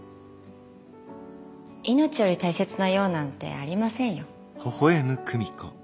命より大切な用なんてありませんよ。